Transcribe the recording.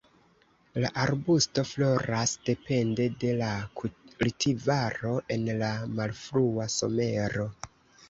La arbusto floras depende de la kultivaro en la malfrua somero.